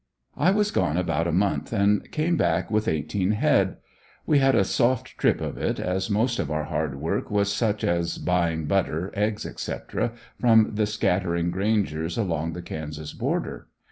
I was gone about a month and came back with eighteen head. We had a soft trip of it, as most of our hard work was such as buying butter, eggs, etc., from the scattering grangers along the Kansas border.